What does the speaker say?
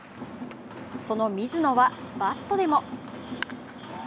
その水野はバットでも。